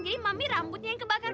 jadi mami rambutnya yang kebakar